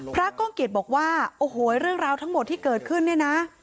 ก้องเกียจบอกว่าโอ้โหเรื่องราวทั้งหมดที่เกิดขึ้นเนี่ยนะ